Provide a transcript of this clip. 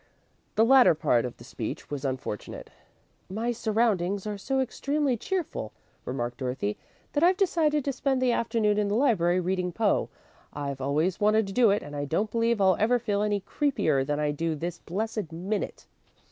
The latter part of the speech was unfortunate. "My surroundings are so extremely cheerful," remarked Dorothy, "that I've decided to spend the afternoon in the library reading Poe. I've always wanted to do it and I don't believe I'll ever feel any creepier than I do this blessed minute."